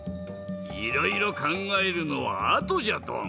いろいろかんがえるのはあとじゃドン。